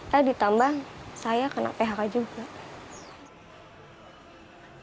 tadi ditambah saya kena phk juga